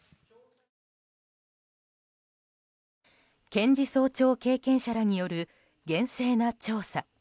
検事総長経験者らによる厳正な調査。